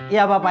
iya bapak pak